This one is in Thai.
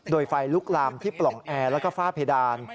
โดยไฟลุกลามที่ปล่องแอร์แล้วก็ฝ้าเพดาน